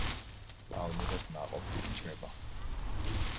პალმირას ნაყოფი იჭმება.